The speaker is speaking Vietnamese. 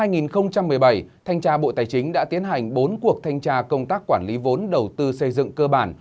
năm hai nghìn một mươi bảy thanh tra bộ tài chính đã tiến hành bốn cuộc thanh tra công tác quản lý vốn đầu tư xây dựng cơ bản